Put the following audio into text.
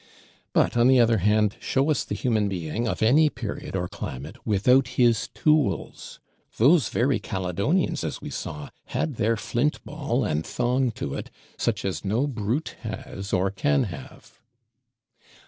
But on the other hand, show us the human being, of any period or climate, without his Tools: those very Caledonians, as we saw, had their Flint ball, and Thong to it, such as no brute has or can have.